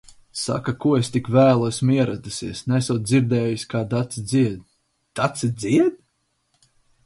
Saka, ko es tik vēlu esmu ieradusies. Neesot dzirdējusi kā Dace dzied. Dace dzied?